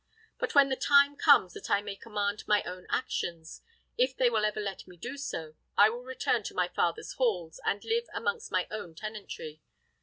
But when the time comes that I may command my own actions, if they will ever let me do so, I will return to my father's halls, and live amongst my own tenantry.